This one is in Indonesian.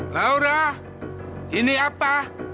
laura ini apa